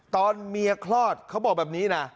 ตอนเมียคลอดเขาบอกแบบนี้นะ